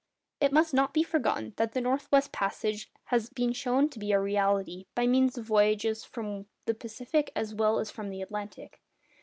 It must not be forgotten that the north west passage has been shown to be a reality, by means of voyages from the Pacific as well as from the Atlantic.